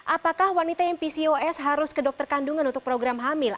apakah wanita yang pcos harus ke dokter kandungan untuk program hamil